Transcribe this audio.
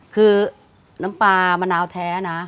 คือน้ำปลามะนาวแท้นะ